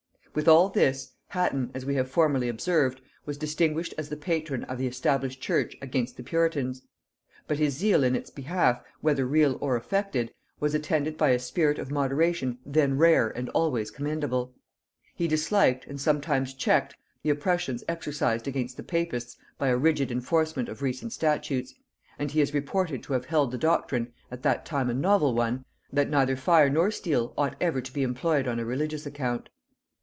With all this, Hatton, as we have formerly observed, was distinguished as the patron of the established church against the puritans: but his zeal in its behalf, whether real or affected, was attended by a spirit of moderation then rare and always commendable. He disliked, and sometimes checked, the oppressions exercised against the papists by the rigid enforcement of recent statutes; and he is reported to have held the doctrine, at that time a novel one, that neither fire nor steel ought ever to be employed on a religious account.